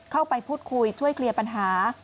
เข้าไปพูดคุยช่วยเคลียร์ปัญหา